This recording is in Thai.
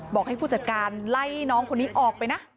บอกให้ผู้จัดการไล่น้องคนนี้ออกไปนะ